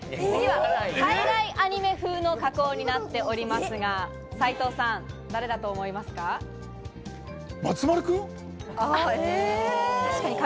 次は海外アニメ風の加工になっておりますが、斉藤さん、誰だと思いますか？